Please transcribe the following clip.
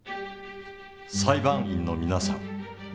裁判員の皆さん